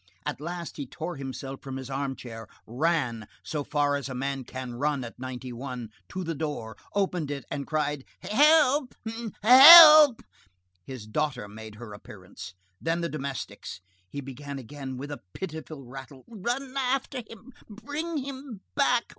At last he tore himself from his armchair, ran, so far as a man can run at ninety one, to the door, opened it, and cried:— "Help! Help!" His daughter made her appearance, then the domestics. He began again, with a pitiful rattle: "Run after him! Bring him back!